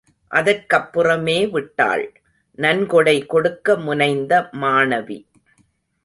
அதற்கப்புறமே விட்டாள், நன்கொடை கொடுக்க முனைந்த மாணவி.